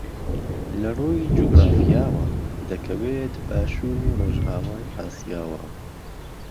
ەڕووی جوگرافیاوە دەکەوێت باشووری ڕۆژئاوای ئاسیاوە